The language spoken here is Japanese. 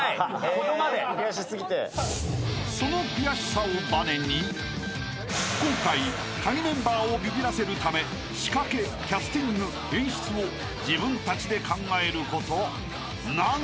［その悔しさをばねに今回カギメンバーをビビらせるため仕掛けキャスティング演出を自分たちで考えること何と］